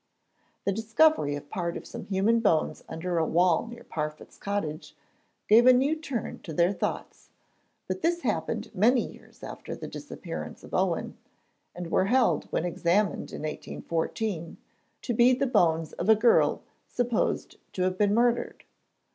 The discovery of part of some human bones under a wall near Parfitt's cottage gave a new turn to their thoughts, but this happened many years after the disappearance of Owen, and were held, when examined in 1814, to be the bones of a girl supposed to have been murdered.